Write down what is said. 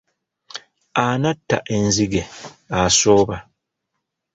Anatta enzige asooba.